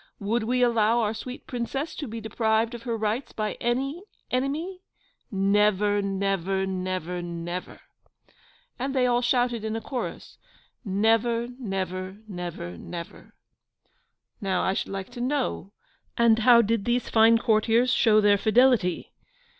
Would we allow our sweet Princess to be deprived of her rights by any enemy? Never, never, never, never!' And they all shouted in a chorus, 'Never, never, never, never!' Now, I should like to know, and how did these fine courtiers show their fidelity?